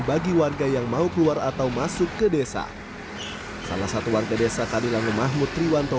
bagi warga yang mau keluar atau masuk ke desa salah satu warga desa kadilango mahmud triwanto